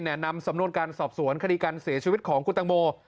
นำสำนวนการสอบสวนคดีการเสียชีวิตของคุณตังโม